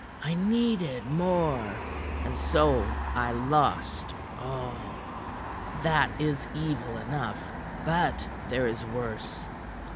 I needed more; and so I lost all. That is evil enough. But there is worse.